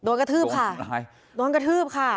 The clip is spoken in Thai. โดนกระทืบค่ะโดนกระทืบค่ะ